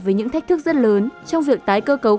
với những thách thức rất lớn trong việc tái cơ cấu